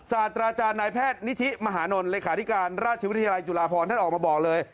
ศาสตราจารย์นายแพทย์นิธิมหานลเลขาธิการราชวิทยาลัยจุฬาพรท่านออกมาบอกเลย